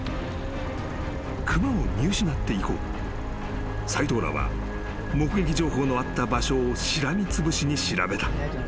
［熊を見失って以降斎藤らは目撃情報のあった場所をしらみつぶしに調べた。